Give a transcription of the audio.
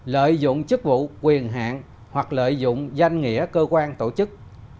lợi dụng chức vụ quyền hạn hoặc lợi dụng danh nghĩa cơ quan tổ chức